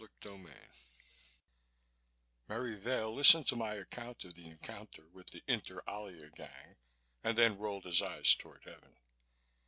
CHAPTER 13 Merry Vail listened to my account of the encounter with the Inter Alia gang and then rolled his eyes toward heaven.